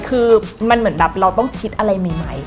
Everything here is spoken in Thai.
คือมันเหมือนแบบเราต้องคิดอะไรใหม่